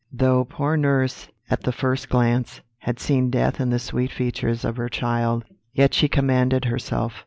"Though poor nurse, at the first glance, had seen death in the sweet features of her child, yet she commanded herself.